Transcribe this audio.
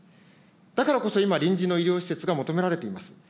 だからこそ今、臨時の医療施設が求められています。